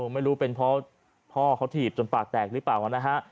ไม่รู้เป็นเพราะพ่อเขาถีบจนปากแตกหรือเปล่านะฮะ